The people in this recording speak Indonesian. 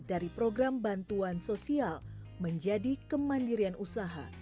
dari program bantuan sosial menjadi kemandirian usaha